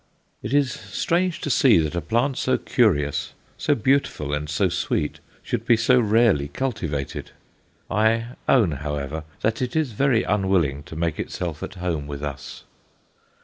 It is strange to see that a plant so curious, so beautiful, and so sweet should be so rarely cultivated; I own, however, that it is very unwilling to make itself at home with us.